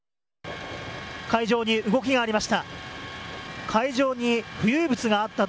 海上に動きがありました。